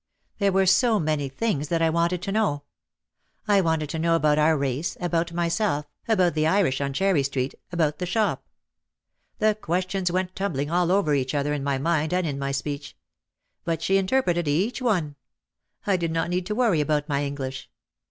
There were so many things that I wanted to know. I wanted to know about our race, about myself, about the Irish on Cherry Street, about the shop. The questions went tumbling^ll over each other in my mind and in my speech. But she interpreted each one. I did not need to worry about my English.